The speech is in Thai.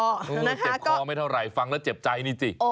เจ็บคอไม่เท่าไหร่ฟังแล้วเจ็บใจนี่สิ